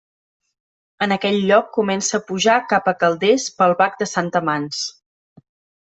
En aquell lloc comença a pujar cap a Calders pel Bac de Sant Amanç.